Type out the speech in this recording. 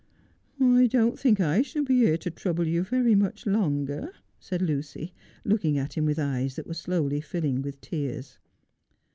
' I don't think I shall be here to trouble you very much longer,' said Lucy, looking at him with eyes that were slowly filling with tears.